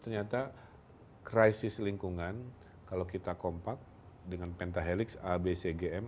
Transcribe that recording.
ternyata krisis lingkungan kalau kita kompak dengan pentahelix abcgm